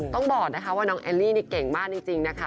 ต้องบอกนะคะว่าน้องแอลลี่นี่เก่งมากจริงนะคะ